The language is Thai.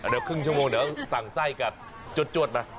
เดี๋ยวครึ่งชั่วโมงเดี๋ยวสั่งไส้กับจวดมา